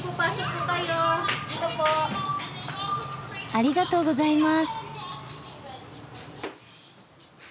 ありがとうございます。